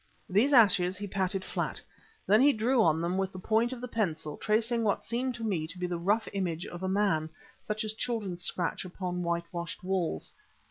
These ashes he patted flat. Then he drew on them with the point of the pencil, tracing what seemed to me to be the rough image of a man, such as children scratch upon whitewashed walls.